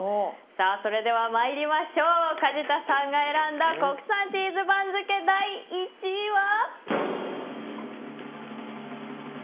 それでは参りましょう梶田さんが選んだ国産チーズ番付、第１位は。